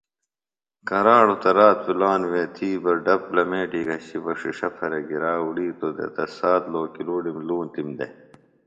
کراڑوۡ تہ رات پِلانوۡ وے تی بہ ڈپ لمیٹی گھشیۡ بہ ݜݜہ پھرےۡ گِرا اُڑیتوۡ دےۡ تہ سات لوکِلوڑِم لُونتِم دےۡ